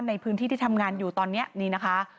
ในพื้นที่ที่ทำงานอยู่ตอนนี้นี่นะคะ